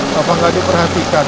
papa gak diperhatikan